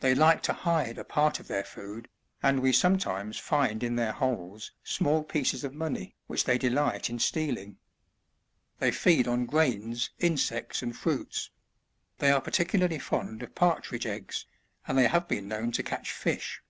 They like to hide a part of their food, and we sometimes find in their holes small pieces of money which they delight in stealing. They feed on grains, insects and fruits ; they are particularly fond of partridge eggs, and they have been known to catch fish. 76.